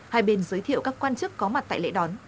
hai bên giới thiệu các quan chức có mặt tại lễ đón